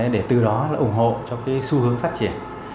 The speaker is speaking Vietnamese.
để từ đó là ủng hộ cho cái xu hướng phát triển